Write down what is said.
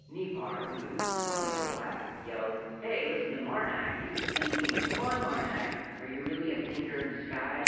Nipar, who is something of a wag, yelled: "Hey, listen to Marnag he's Thinking! Come on, Marnag, are you really a Thinker in disguise?